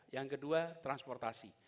yang kedua transportasi